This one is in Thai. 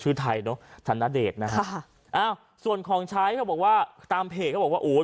ไทยเนอะธนเดชนะฮะค่ะอ้าวส่วนของใช้เขาบอกว่าตามเพจเขาบอกว่าโอ้ย